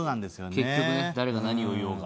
結局ね誰が何を言おうが。